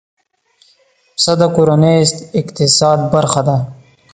پسه د کورنۍ اقتصاد برخه ده.